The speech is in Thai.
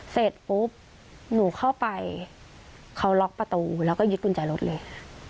เสร็จปุ๊บหนูเข้าไปเขาล็อกประตูแล้วก็ยึดกุญแจรถเลย